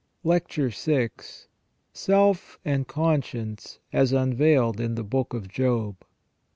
LECTURE VL SELF AND CONSCIENCE AS UNVEILED IN THE BOOK OF JOB.